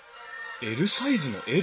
ＬサイズのＬ？